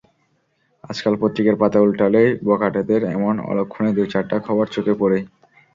আজকাল পত্রিকার পাতা ওলটালেই বখাটেদের এমন অলক্ষুনে দু-চারটা খবর চোখে পড়েই।